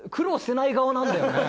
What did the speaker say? なんだよね。